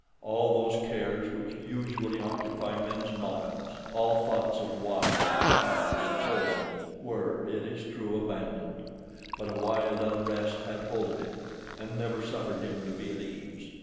All those cares which usually occupy men's minds, all thoughts of wife, child, and home were, it is true, abandoned; but a wild unrest had hold of him, and never suffered him to be at ease.